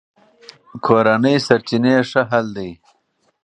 کورني سرچینې ښه حل دي.